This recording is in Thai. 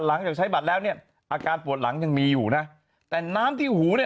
หลังจากใช้บัตรแล้วเนี่ยอาการปวดหลังยังมีอยู่นะแต่น้ำที่หูเนี่ย